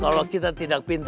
kalau kita tidak pintar